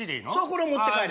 これを持って帰る。